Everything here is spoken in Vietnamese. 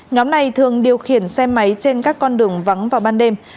nhóm này thường điều khiển xe máy trên các con đường vắng vào ban đêm